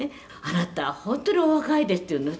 「“あなたは本当にお若いです”って言うの」